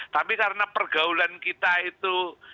tapi karena pergaulan kita itu